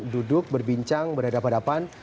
duduk berbincang berada pada depan